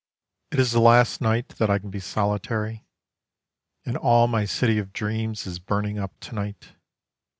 It is the last night that I can be solitary; And all my city of dreams is burning up to night.